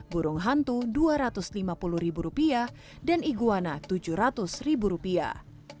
burung hantu dua ratus lima puluh ribu rupiah dan iguana tujuh ratus ribu rupiah